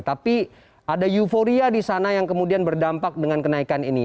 tapi ada euforia di sana yang kemudian berdampak dengan kenaikan ini